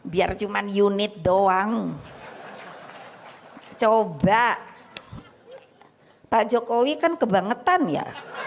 biar cuma unit doang coba pak jokowi kan kebangetan ya